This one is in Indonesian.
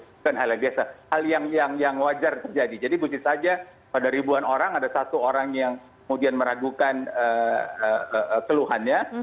bukan hal yang biasa hal yang wajar terjadi jadi mungkin saja pada ribuan orang ada satu orang yang kemudian meragukan keluhannya